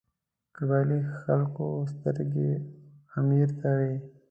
قبایلي خلکو سترګې امیر ته وې.